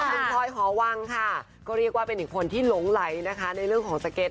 คุณพลอยหอวังค่ะก็เรียกว่าเป็นอีกคนที่หลงไหลนะคะในเรื่องของสเก็ต